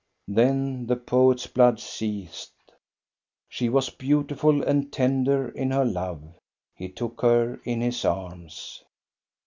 Then the poefs blood seethed. She was beautiful and tender in her love. He took her in his arms.